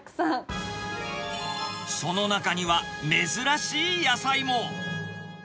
その中には、珍しい野菜も。